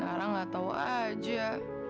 nara ga tau aja